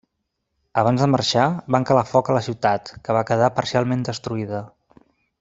Abans de marxar, van calar foc a la ciutat, que va quedar parcialment destruïda.